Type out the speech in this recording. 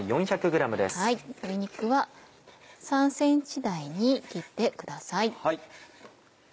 鶏肉は３ｃｍ大に切ってください。